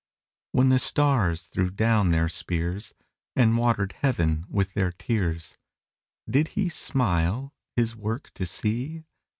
When the stars threw down their spears, And water'd heaven with their tears, Did he smile his work to see?